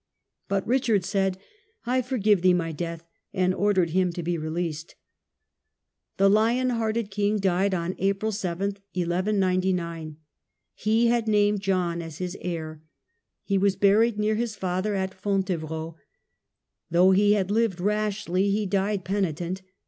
But Richard said, " I forgive thee my death ", and ordered him to be released. The lion hearted king died on April 7, 1 1 99. He had named John as his heir. He was buried near his father at Fontevrault Though he had lived rashly he died penitent.